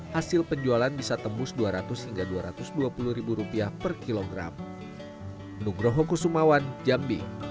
hasil penjualan bisa tembus rp dua ratus hingga rp dua ratus dua puluh per kilogram